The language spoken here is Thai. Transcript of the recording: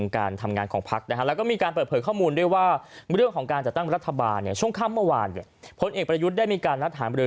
โคต้าของภักดิ์พลังประชารับได้นะครับ